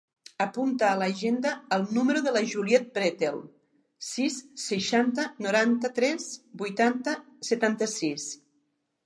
Apunta a l'agenda el número de la Juliet Pretel: sis, seixanta, noranta-tres, vuitanta, setanta-sis.